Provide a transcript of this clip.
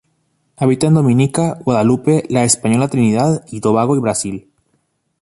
Habita en Dominica, Guadalupe, La Española Trinidad y Tobago y Brasil.